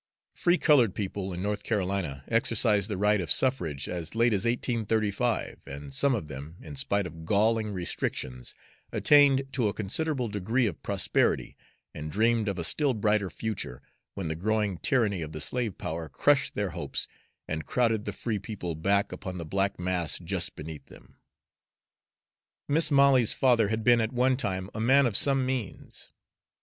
Free colored people in North Carolina exercised the right of suffrage as late as 1835, and some of them, in spite of galling restrictions, attained to a considerable degree of prosperity, and dreamed of a still brighter future, when the growing tyranny of the slave power crushed their hopes and crowded the free people back upon the black mass just beneath them. Mis' Molly's father had been at one time a man of some means.